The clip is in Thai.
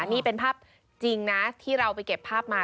นี่เป็นภาพจริงนะที่เราไปเก็บภาพมา